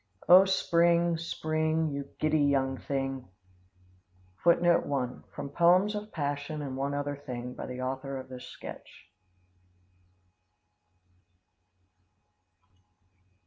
O spring, spring, You giddy young thing. [Footnote 1: From poems of passion and one thing another, by the author of this sketch.